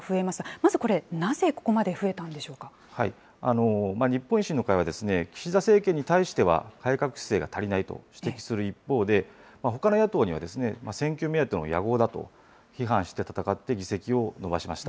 まずこれ、なぜここまで増えたん日本維新の会は、岸田政権に対しては、改革姿勢が足りないと指摘する一方で、ほかの野党には、選挙目当ての野合だと批判して戦って、議席を伸ばしました。